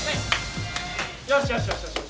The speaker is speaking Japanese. よしよし。